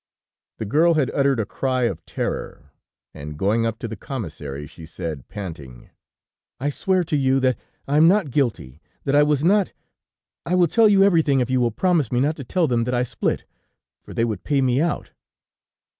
"The girl had uttered a cry of terror and going up to the Commissary she said, panting: "'I swear to you that I am not guilty, that I was not ... I will tell you everything if you will promise me not to tell them that I spilt, for they would pay me out....'